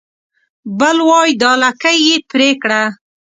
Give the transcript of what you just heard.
بل وای دا لکۍ يې پرې کړه